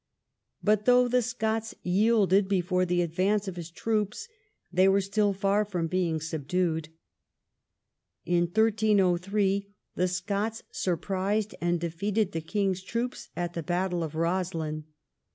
But though the Scots yielded before the advance of his troops, they were still far from being subdued. In 1302 the Scots surprised and defeated the king's troops at the battle of Roslin.